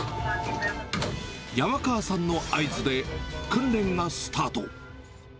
山川さんの合図で、訓練がスタート。